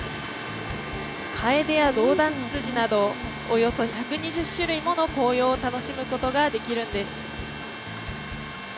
カエデやドウダンツツジなどおよそ１２０種類もの紅葉を楽しむことができるんです。